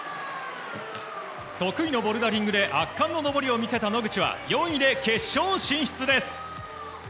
得意のボルダリングで圧巻の登りを見せた野口は４位で決勝進出です。